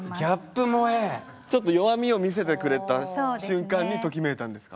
ちょっと弱みを見せてくれた瞬間にときめいたんですか。